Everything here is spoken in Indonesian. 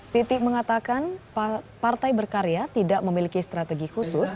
titik mengatakan partai berkarya tidak memiliki strategi khusus